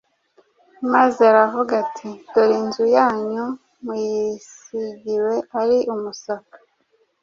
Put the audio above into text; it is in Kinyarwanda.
maze aravuga ati, « Dore inzu yanyu muyisigiwe ari umusaka ».